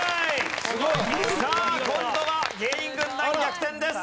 さあ今度は芸人軍団逆転です。